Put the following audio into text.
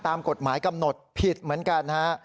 ตามกฎหมายกำหนดผิดเหมือนกันฮะ